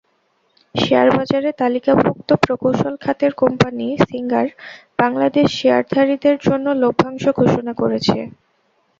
শেয়ারবাজারে তালিকাভুক্ত প্রকৌশল খাতের কোম্পানি সিঙ্গার বাংলাদেশ শেয়ারধারীদের জন্য লভ্যাংশ ঘোষণা করেছে।